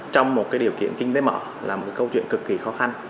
trong một điều kiện kinh tế mở là một câu chuyện cực kỳ khó khăn